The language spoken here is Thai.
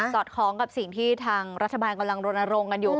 อดคล้องกับสิ่งที่ทางรัฐบาลกำลังรณรงค์กันอยู่